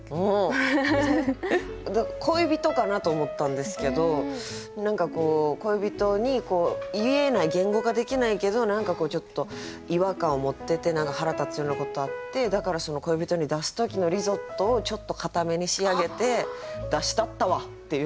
恋人かなと思ったんですけど何かこう恋人に言えない言語化できないけど何かちょっと違和感を持ってて腹立つようなことあってだから恋人に出す時のリゾットをちょっと硬めに仕上げて出したったわっていう。